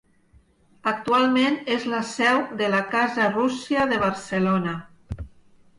Actualment és la seu de la Casa Rússia de Barcelona.